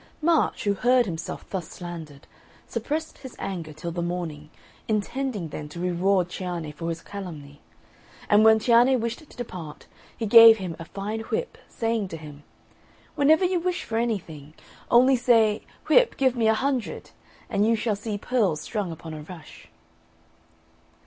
March, who heard himself thus slandered, suppressed his anger till the morning, intending then to reward Cianne for his calumny; and when Cianne wished to depart, he gave him a fine whip, saying to him, "Whenever you wish for anything, only say, Whip, give me a hundred!' and you shall see pearls strung upon a rush."